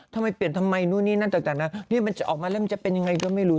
ทำไมเปลี่ยนทำไมนู่นนี่นั่นต่างนะนี่มันจะออกมาแล้วมันจะเป็นยังไงก็ไม่รู้